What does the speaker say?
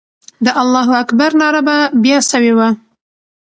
د الله اکبر ناره به بیا سوې وه.